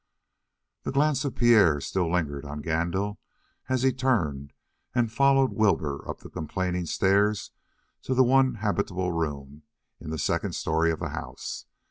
The glance of Pierre still lingered on Gandil as he turned and followed Wilbur up the complaining stairs to the one habitable room in the second story of the house.